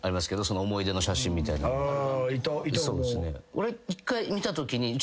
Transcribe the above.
俺一回見たときに。